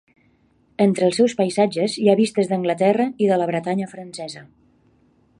Entre els seus paisatges hi ha vistes d'Anglaterra i de la Bretanya francesa.